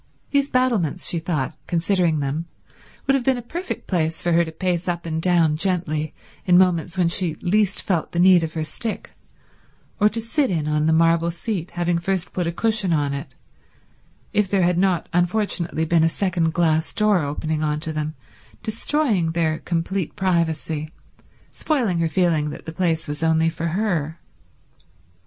These battlements, she thought, considering them, would have been a perfect place for her to pace up and down gently in moments when she least felt the need of her stick, or to sit in on the marble seat, having first put a cushion on it, if there had not unfortunately been a second glass door opening on to them, destroying their complete privacy, spoiling her feeling that the place was only for her.